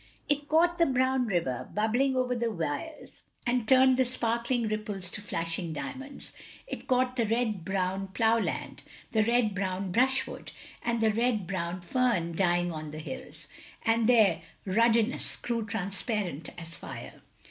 It caught the brown river, bubbling over the weirs, and turned the sparkling ripples to flashing diamonds; it caught the red brown plough land, the red brown brushwood, and the red brown fern dying on the hills, — ^and their ruddiness grew transparent as fire.